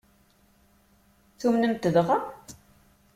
Tumnem-t dɣa?